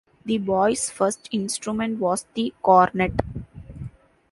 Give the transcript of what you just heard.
The boy's first instrument was the cornet.